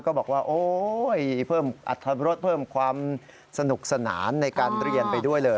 ก็บอกว่าโอ๊ยเพิ่มอัตรรสเพิ่มความสนุกสนานในการเรียนไปด้วยเลย